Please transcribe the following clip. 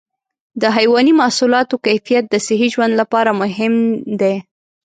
د حيواني محصولاتو کیفیت د صحي ژوند لپاره مهم دی.